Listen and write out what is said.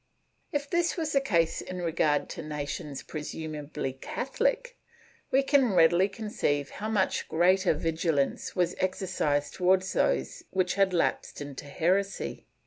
If this was the case in regard to nations presumably Catholic, we can readily conceive how much greater vigilance was exer cised towards those which had lapsed into heresy.